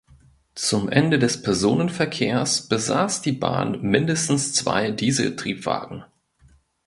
Zum Ende des Personenverkehrs besaß die Bahn mindestens zwei Dieseltriebwagen.